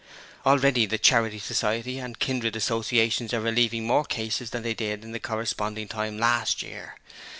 Already the Charity Society and kindred associations are relieving more cases than they did at the corresponding time last year.